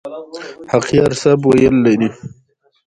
موږ باید ژبه ګډه وساتو.